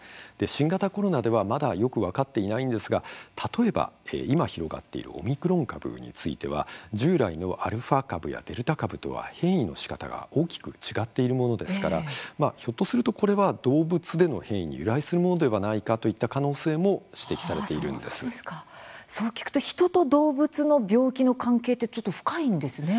新型コロナではまだよく分かっていないんですが例えば、今、広がっているオミクロン株については従来のアルファ株やデルタ株とは変異のしかたが大きく違っているものですからひょっとするとこれは動物での変異に由来するものではないかといったそう聞くと人と動物の病気の関係ってちょっと深いんですね。